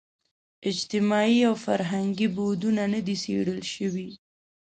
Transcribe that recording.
اجتماعي او فرهنګي بعدونه نه دي څېړل شوي.